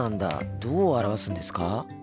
どう表すんですか？